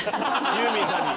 ユーミンさんに。